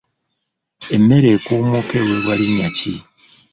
Emmere ekuumuuka eweebwa linnya ki?